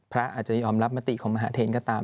อาจจะยอมรับมติของมหาเทรนก็ตาม